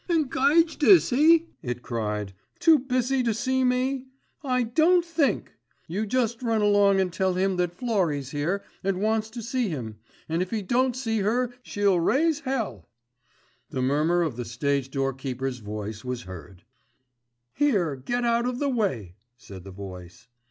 "Engaged is he," it cried. "Too busy to see me? I don't think. You just run along and tell him that Florrie's here and wants to see him, and if he don't see her she'll raise hell." The murmur of the stage doorkeeper's voice was heard. "Here, get out of the way," said the voice.